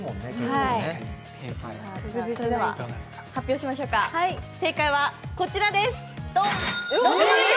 では発表しましょうか、正解はこちらです。